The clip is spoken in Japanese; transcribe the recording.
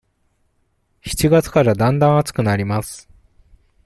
七月からだんだん暑くなります。